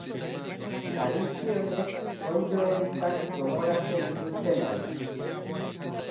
Harizpi horiek onddoen hifak gogoratzen dituzte maiz.